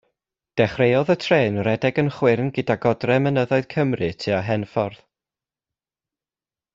Dechreuodd y trên redeg yn chwyrn gyda godre mynyddoedd Cymru tua Henffordd.